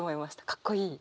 かっこいい。